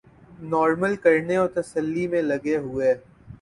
normal کرنے اور تسلی میں لگے ہوئے